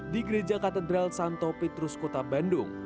di gereja katedral santo petrus kota bandung